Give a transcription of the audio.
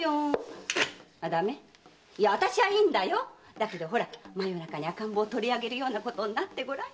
だけど真夜中に赤ん坊を取りあげることになってごらん。